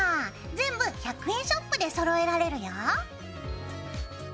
全部１００円ショップでそろえられるよ。